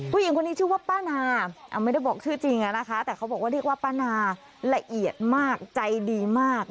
ผู้หญิงคนนี้ชื่อว่าป้านาไม่ได้บอกชื่อจริงอะนะคะแต่เขาบอกว่าเรียกว่าป้านาละเอียดมากใจดีมาก